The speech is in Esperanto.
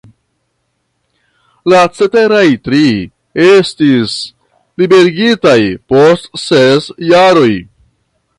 La ceteraj tri estis liberigitaj post ses jaroj.